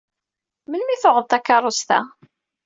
Melmi i tuɣeḍ takeṛṛust-a?